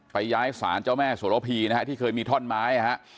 ย้ายสารเจ้าแม่สวรพีนะฮะที่เคยมีท่อนไม้นะฮะ